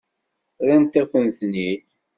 Rran-akent-ten-id.